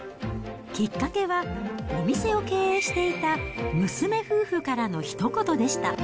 きっかけは、お店を経営していた娘夫婦からのひと言でした。